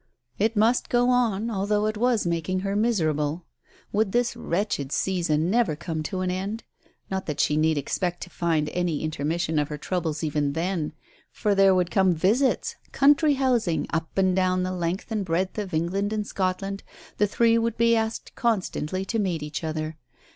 It must go on although it was making her miserable. Would this wretched season never come to an end? Not that she need expect to find any intermission of her troubles even then ! For there would come visits, "country housing " up and down the length and breadth of England and Scotland, the three would be asked con stantly to meet each other.